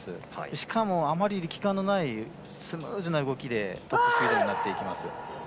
しかも、あまり力感のないスムーズな動きでトップスピードに乗っていきます。